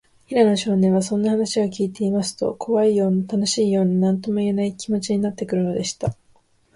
平野少年は、そんな話をきいていますと、こわいような、たのしいような、なんともいえない、気もちになってくるのでした。